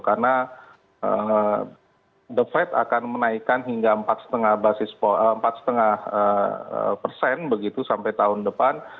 karena the fed akan menaikkan hingga empat lima begitu sampai tahun depan